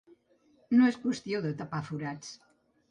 No és qüestió de tapar forats.